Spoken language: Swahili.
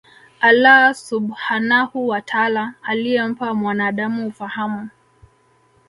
Allaah Subhaanahu wa Taala Aliyempa mwanaadamu ufahamu